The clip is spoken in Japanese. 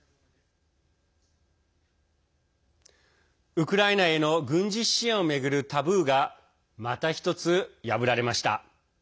ウクライナへの軍事支援を巡るタブーがまた１つ破られました。